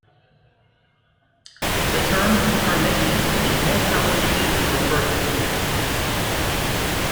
The term "permission" is more commonly used to refer to consent.